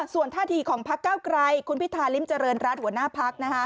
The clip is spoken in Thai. ส่วนท่าทีของพักเก้าไกรคุณพิธาริมเจริญรัฐหัวหน้าพัก